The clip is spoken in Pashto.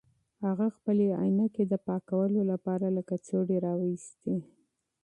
هغه خپلې عینکې د پاکولو لپاره له کڅوړې راویستې.